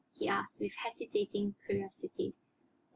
he asked, with hesitating curiosity.